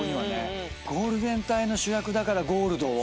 ゴールデン帯の主役だからゴールドを。